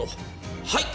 はい！